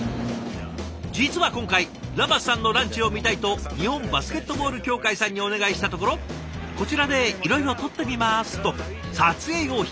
実は今回ラマスさんのランチを見たいと日本バスケットボール協会さんにお願いしたところ「こちらでいろいろ撮ってみます」と撮影を引き受けて下さったんです。